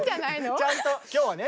ちゃんと今日はね